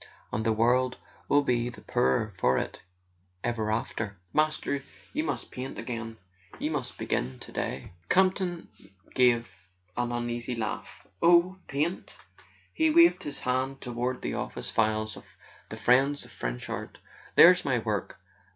And the world will be the poorer for it ever after. Master, you must paint again—you must begin today!" Campton gave an uneasy laugh. "Oh—paint!" He waved his hand toward the office files of "The Friends of French Art." "There's my work."